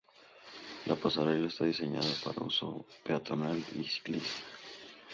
La pasarela está diseñada para uso peatonal y ciclista.